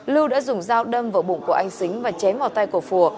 lưu đã dùng dao đâm vào bụng của anh xính và chém vào tay của phùa